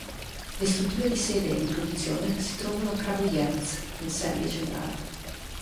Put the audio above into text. Le strutture di sede e di produzione si trovano a Kragujevac, in Serbia centrale.